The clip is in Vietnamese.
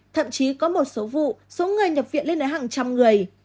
thậm chí có một số vụ số người nhập viện lên đến hàng trăm người